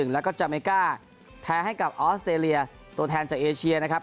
แล้วก็จาเมก้าแพ้ให้กับออสเตรเลียตัวแทนจากเอเชียนะครับ